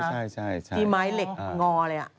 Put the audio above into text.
ใช่ที่ไม้เหล็กงอเลย